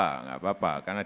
tapi enggak apa apa